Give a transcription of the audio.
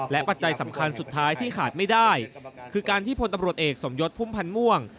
ปัจจัยสำคัญสุดท้ายที่ขาดไม่ได้คือการที่พลตำรวจเอกสมยศพุ่มพันธ์ม่วง